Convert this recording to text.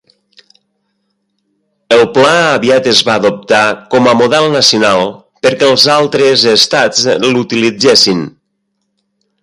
El pla aviat es va adoptar com a model nacional perquè altres estats l'utilitzessin.